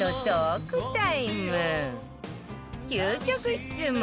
究極質問